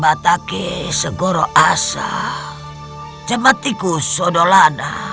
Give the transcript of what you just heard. untuk memperbaiki kemampuan aku